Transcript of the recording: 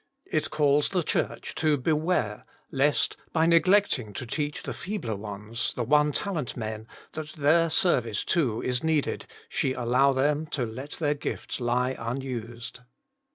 It calls the Church to beware lest, by neglecting to teach the feebler ones, the one talent men, that their service, too, is needed, she allow them to let their gifts lie unused.